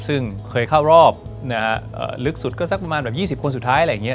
ซึ่งเคยเข้ารอบลึกสุดก็สักประมาณแบบ๒๐คนสุดท้ายอะไรอย่างนี้